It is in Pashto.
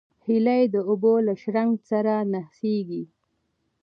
هیلۍ د اوبو له شرنګ سره نڅېږي